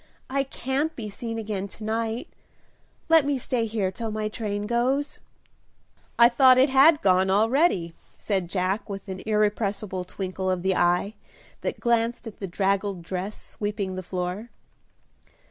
"I can't be seen again to night; let me stay here till my train goes." "I thought it had gone, already," said Jack, with an irrepressible twinkle of the eye that glanced at the draggled dress sweeping the floor.